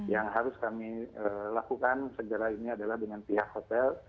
yang harus kami lakukan segera ini adalah dengan pihak hotel